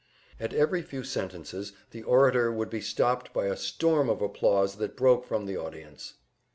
At every few sentences the orator would be stopped by a storm of applause that broke from the audience.